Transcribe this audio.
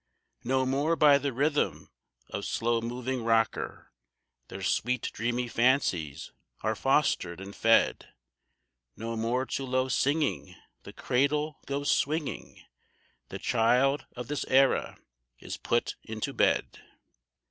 No more by the rhythm of slow moving rocker, Their sweet dreamy fancies are fostered and fed; No more to low singing the cradle goes swinging The child of this era is put into bed.